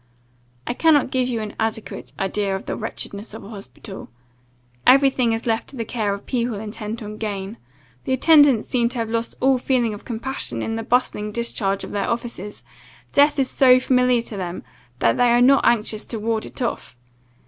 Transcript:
I cannot give you an adequate idea of the wretchedness of an hospital; every thing is left to the care of people intent on gain. The attendants seem to have lost all feeling of compassion in the bustling discharge of their offices; death is so familiar to them, that they are not anxious to ward it off.